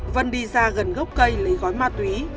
vân đi ra gần gốc cây lấy gói ma túy